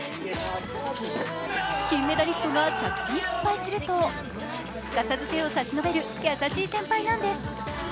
金メダリストが着地に失敗するとすかさず手を差し伸べる、優しい先輩なんです。